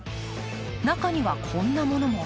中には、こんなものも。